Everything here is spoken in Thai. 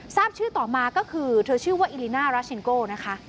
ทราบชื่อต่อมาก็คือเธอชื่อว่าอิลิน่าราชเชนโก้นะคะ